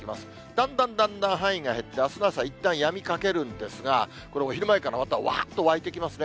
だんだんだんだん範囲が減って、あすの朝、いったんやみかけるんですが、これ、お昼前からまたわーっと湧いてきますね。